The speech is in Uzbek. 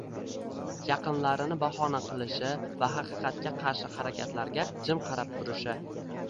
yaqinlarini bahona qilishi va haqiqatga qarshi harakatlarga jim qarab turishi